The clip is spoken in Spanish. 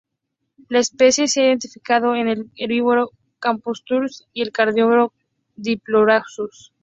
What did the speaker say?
La especie se ha identificado con el herbívoro "Camptosaurus" y el carnívoro "Dilophosaurus".